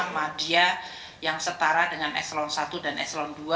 media yang setara dengan eselon i dan eselon dua